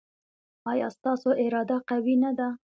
ایا ستاسو اراده قوي نه ده؟